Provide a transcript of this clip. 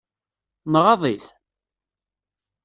Nɣaḍ-it?